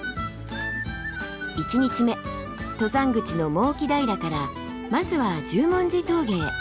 １日目登山口の毛木平からまずは十文字峠へ。